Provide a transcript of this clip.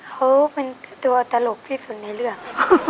เขาเป็นตัวตลกที่สุดในเรื่อง